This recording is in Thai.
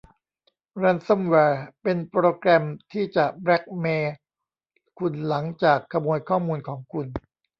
แรนซัมแวร์เป็นโปรแกรมที่จะแบลค์เมล์คุณหลังจากขโมยข้อมูลของคุณ